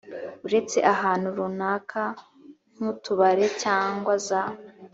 uretse ahantu runaka nk utubare cyangwa za